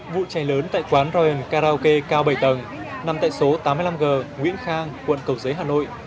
vụ cháy lớn tại quán ryan karaoke cao bảy tầng nằm tại số tám mươi năm g nguyễn khang quận cầu giấy hà nội